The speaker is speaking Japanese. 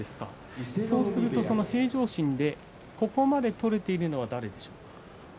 そうすると平常心でここまで取れているのは誰ですか。